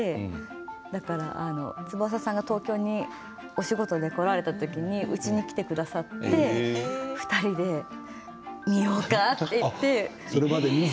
だから翼さんが東京にお仕事で来られた時にうちに来てくださって２人で見ようかって言って。